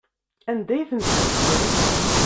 Anda ay ten-tḥebsem?